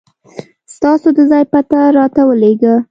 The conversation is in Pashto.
ستاسو د ځای پته راته ولېږه